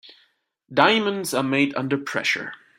Diamonds are made under pressure.